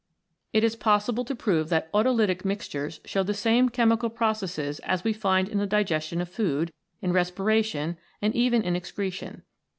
It is possible to prove that autolytic mixtures show the same chemical processes as we find in the digestion of food, in respiration and even in excretion.